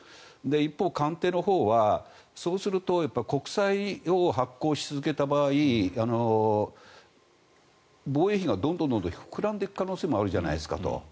一方、官邸のほうはそうすると国債を発行し続けた場合防衛費がどんどん膨らんでいく可能性もあるじゃないですかと。